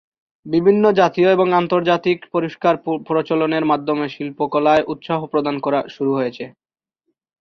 বিভিন্ন জাতীয় ও আন্তর্জাতিক পুরস্কার প্রচলনের মাধ্যমে শিল্পকলায় উৎসাহ প্রদান শুরু হয়েছে।